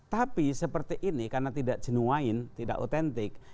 tapi seperti ini karena tidak genuin tidak autentik